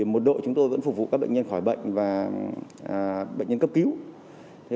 một đội chúng tôi vẫn phục vụ các bệnh nhân khỏi bệnh và bệnh nhân cấp cứu